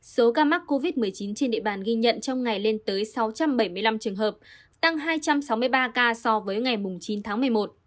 số ca mắc covid một mươi chín trên địa bàn ghi nhận trong ngày lên tới sáu trăm bảy mươi năm trường hợp tăng hai trăm sáu mươi ba ca so với ngày chín tháng một mươi một